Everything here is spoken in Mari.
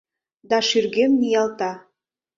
Да шÿргем ниялта.